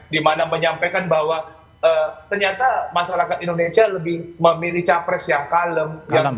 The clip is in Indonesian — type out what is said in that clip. dimana menyampaikan bahwa ternyata masyarakat indonesia lebih memilih capres yang kalem